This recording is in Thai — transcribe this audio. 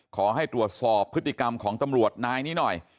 ขอให้ตรวจสอบพฤติกรรมของตำรวจนายนี้หน่อย